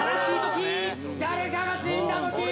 「誰かが死んだとき」